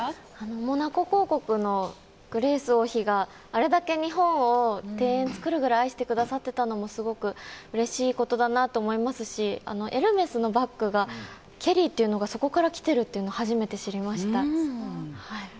モナコ公国のグレース王妃があれだけ日本を庭園造るぐらい愛してくださっていたのもすごくうれしいことだなと思いますしエルメスのバッグがケリーというのがそこから来ているのを初めて知りました。